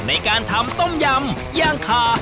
ในการทำต้มยำย่างคา